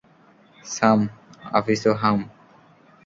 সাম, office ও হাম।